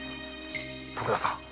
徳田さん